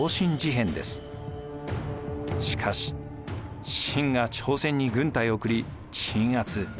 しかし清が朝鮮に軍隊を送り鎮圧。